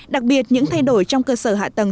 đặc biệt những thay đổi trong cơ sở hạ tầng